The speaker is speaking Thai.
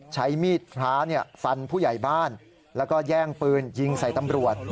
ใช้มีดพระฟันผู้ใหญ่บ้านแล้วก็แย่งปืนยิงใส่ตำรวจ